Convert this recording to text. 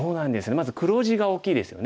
まず黒地が大きいですよね。